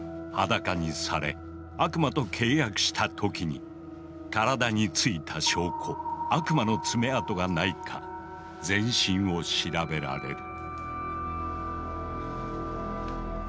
裸にされ悪魔と契約した時に体についた証拠悪魔の爪痕がないか全身を調べられる。